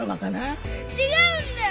違うんだよ